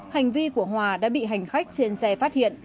hành vi của hòa đã bị hành khách trên xe phát hiện